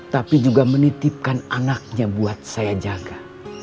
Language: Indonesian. tapi juga menitipkan anaknya buat saya jaga